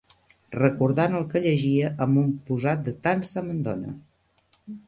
Recordant el que llegia amb un posat de tant-se-me'n-dóna